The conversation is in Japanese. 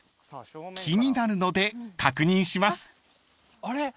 ［気になるので確認します］